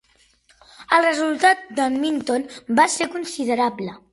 El resultat d'en Minton va ser considerable.